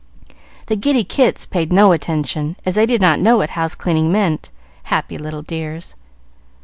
The giddy kits paid no attention, as they did not know what house cleaning meant, happy little dears!